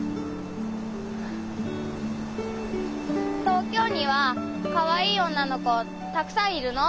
東京にはかわいい女の子たくさんいるの？